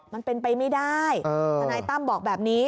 มันเป็นไปไม่ได้ทนายตั้มบอกแบบนี้